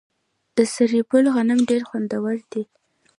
د سرپل غنم ډیر خوندور دي.